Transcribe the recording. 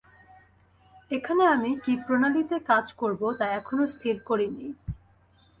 এখানে আমি কি প্রণালীতে কাজ করব, তা এখনও স্থির করিনি।